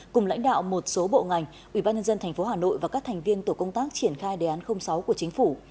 cùng lãnh đạo một số bộ ngành ủy ban nhân dân thành phố hà nội và các thành viên tổ công tác triển khai đề án sáu của chính phủ